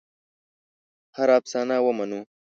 هره افسانه ومنو.